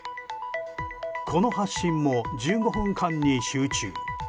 この発信も１５分間に集中。